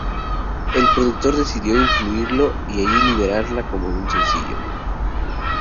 El productor decidió incluirlo aquí y liberarla como un sencillo.